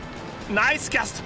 ナイスキャスト！